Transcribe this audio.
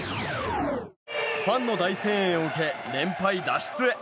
ファンの大声援を受け連敗脱出へ。